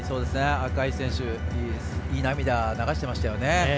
赤石選手、いい涙を流していましたよね。